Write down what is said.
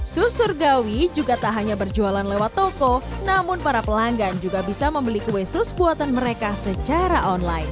susur gawi juga tak hanya berjualan lewat toko namun para pelanggan juga bisa membeli kue sus buatan mereka secara online